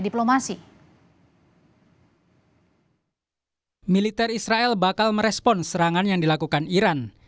diplomasi militer israel bakal merespon serangan yang dilakukan iran